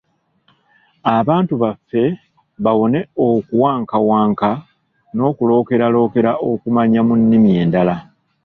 Abantu baffe bawone okuwankawanka n’okulookeralookera okumanya mu nnimi endala.